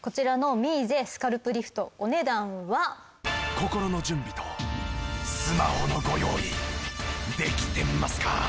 心の準備とスマホのご用意できてますか？